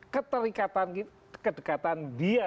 keterikatan kedekatan dia